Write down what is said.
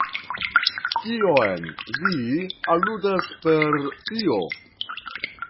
Kion vi aludas per tio?